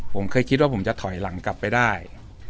ผมเคยคิดว่าผมจะถอยหลังกลับไปได้